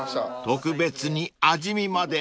［特別に味見まで。